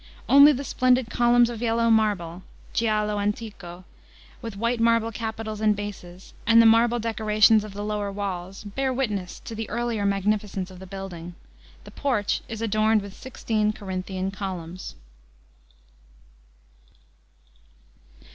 Only the splendid columns of yellow marble (giallo antico), with white marble capitals and bases, and the marble decorations of the lower walls, bear witness to the earlier magnificence of the building. The porch is adorned with sixteen Corinthian columns."